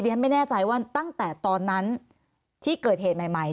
ฉันไม่แน่ใจว่าตั้งแต่ตอนนั้นที่เกิดเหตุใหม่